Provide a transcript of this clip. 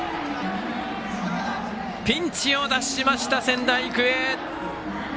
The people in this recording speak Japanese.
ピンチを脱しました、仙台育英！